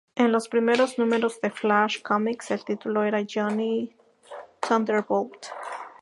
En los primeros números de Flash Comics, el título era Johnny Thunderbolt.